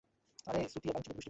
আমায় ডাকার জন্য ধন্যবাদ, বন্ধু।